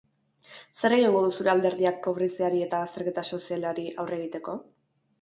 Zer egingo du zure alderdiak pobreziari eta bazterketa sozialari aurre egiteko?